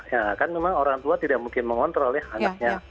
ya kan memang orang tua tidak mungkin mengontrol ya anaknya